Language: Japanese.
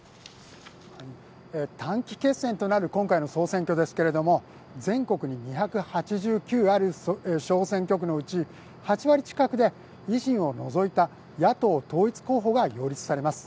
短期決戦となる今回の総選挙ですけれども全国に２８９ある小選挙区のうち８割近くで維新を除いた野党統一候補が擁立されます。